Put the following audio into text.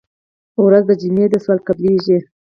ورځ د جمعې ده سوال قبلېږي.